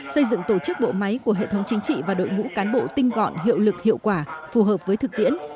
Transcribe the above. xây dựng tổ chức bộ máy của hệ thống chính trị và đội ngũ cán bộ tinh gọn hiệu lực hiệu quả phù hợp với thực tiễn